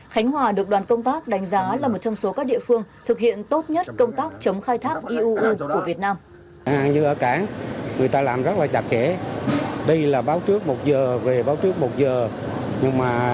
khánh hòa được đoàn công tác đánh giá là một trong số các địa phương thực hiện tốt nhất công tác chống khai thác iuu của việt nam